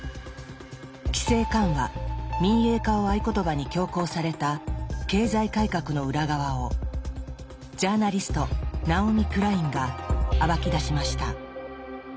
規制緩和民営化を合言葉に強行された経済改革の裏側をジャーナリストナオミ・クラインが暴き出しました。